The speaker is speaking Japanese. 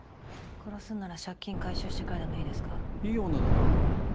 殺すんなら借金回収してからでもいいいい女だな。